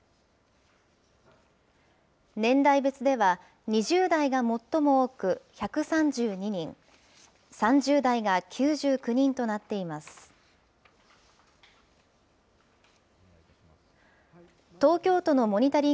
年代別では、２０代が最も多く１３２人、３０代が９９人となっています。